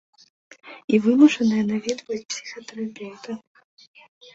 І вымушаная наведваць псіхатэрапеўта.